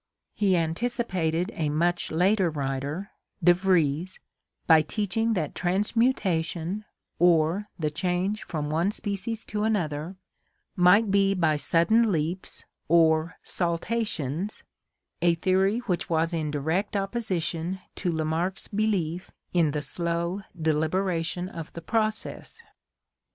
He antic ipated a much later writer, De Vries, by teaching that transmuta tion, or the change from one species to another, might be by sudden leaps or saltations, a theory which was in direct opposition to Lamarck's belief in the slow deliberation of the process.